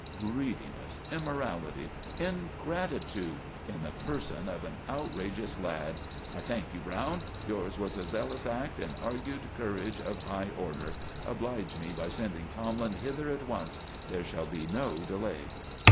Greediness, immorality, ingratitude in the person of one outrageous lad! I thank you, Browne. Yours was a zealous act, and argued courage of high order. Oblige me by sending Tomlin hither at once. There shall be no delay."